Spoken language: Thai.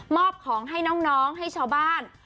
อบของให้น้องให้ชาวบ้าน